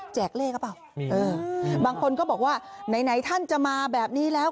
เลขหรือเปล่าบางคนก็บอกว่าไหนท่านจะมาแบบนี้แล้ว